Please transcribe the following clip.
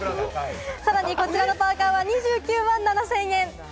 さらにこちらのパーカは２９万７０００円。